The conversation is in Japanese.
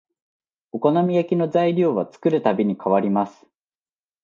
お好み焼きの材料は作るたびに変わります